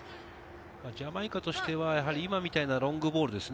ジャマイカとしては今みたいなロングボールですね。